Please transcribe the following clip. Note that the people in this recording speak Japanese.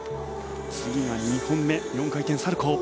次が２本目４回転サルコウ。